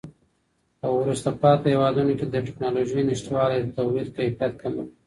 په وروسته پاته هېوادونو کي د ټکنالوژۍ نشتوالی د تولید کیفیت کموي.